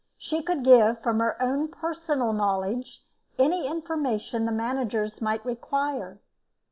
She could give, from her own personal knowledge, any information the managers might require.